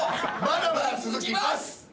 まだまだ続きます！